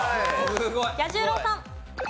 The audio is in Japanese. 彌十郎さん。